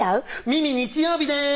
耳日曜日です